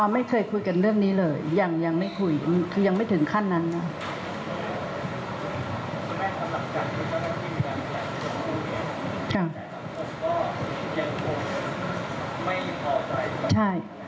ไม่เคยคุยกันเรื่องนี้เลยยังไม่ถึงขั้นนั้นนะ